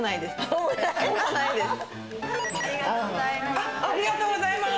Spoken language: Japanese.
ありがとうございます。